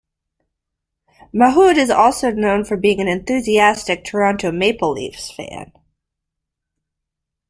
Mahood is also known for being an enthusiastic Toronto Maple Leafs fan.